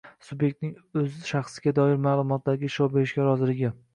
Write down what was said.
subyektning o‘z shaxsga doir ma’lumotlariga ishlov berishga roziligi